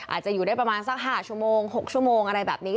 อาจจะอยู่ได้ประมาณสัก๕ชั่วโมง๖ชั่วโมงอะไรแบบนี้